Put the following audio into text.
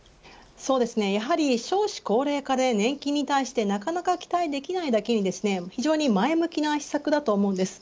やはり少子高齢化で年金に対してなかなか期待できないだけに非常に前向きな施策だと思います。